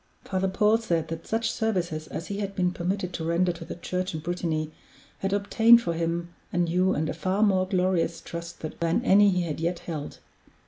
Father Paul said that such services as he had been permitted to render to the Church in Brittany had obtained for him a new and a far more glorious trust than any he had yet held.